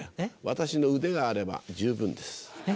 私の腕があれば十分です。